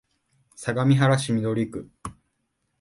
相模原市緑区